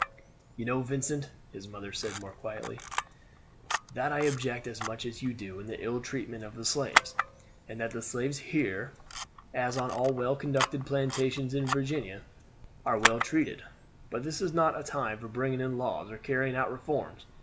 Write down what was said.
"You know, Vincent," his mother said more quietly, "that I object as much as you do to the ill treatment of the slaves, and that the slaves here, as on all well conducted plantations in Virginia, are well treated; but this is not a time for bringing in laws or carrying out reforms.